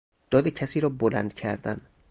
داد کسی را بلند کردن